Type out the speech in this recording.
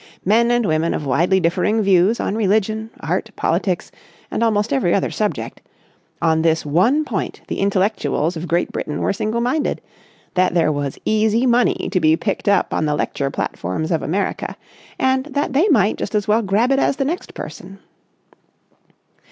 Men and women of widely differing views on religion, art, politics, and almost every other subject; on this one point the intellectuals of Great Britain were single minded, that there was easy money to be picked up on the lecture platforms of America, and that they might just as well grab it as the next person.